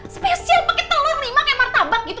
spesial pake telur lima kayak martabak gitu